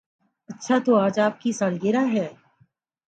اچھا تو آج آپ کی سالگرہ ہے